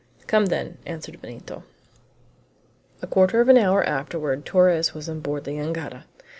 "Come, then," answered Benito. A quarter of an hour afterward Torres was on board the jangada.